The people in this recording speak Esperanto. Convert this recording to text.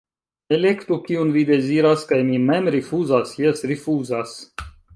Elektu, kiun vi deziras, kaj mi mem rifuzas, jes, rifuzas.